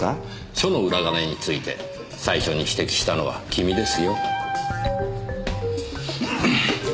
署の裏金について最初に指摘したのは君ですよ。